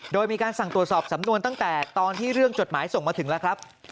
โดยมีการสั่งตรวจสอบสำนวนตั้งแต่ตอนที่เรื่องจดหมายส่งมาถึงแล้วครับ